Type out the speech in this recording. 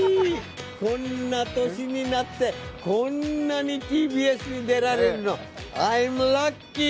こんな年になってこんなにＴＢＳに出られるのアイム・ラッキー！